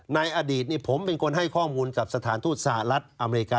ในอดีตผมเป็นคนให้ข้อมูลกับสถานทูตสหรัฐอเมริกา